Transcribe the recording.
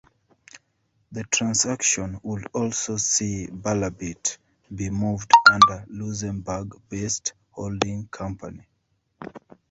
The transaction would also see Balabit be moved under a Luxembourg-based holding company.